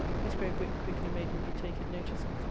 His great witt quickly made him be taken notice of.